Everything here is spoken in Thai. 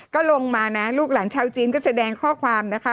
ก็ลงมานะลูกหลานชาวจีนก็แสดงข้อความนะคะ